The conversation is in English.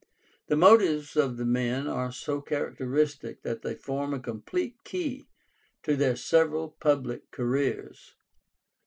The motives of the men are so characteristic that they form a complete key to their several public careers.